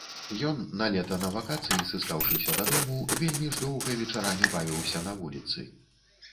Ён, на лета на вакацыі сыскаўшыся дадому, вельмі ж доўга вечарамі бавіўся на вуліцы.